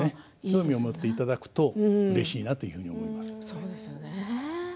興味を持っていただけるとうれしいなと思います。